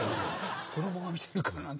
子供が見てるかなと。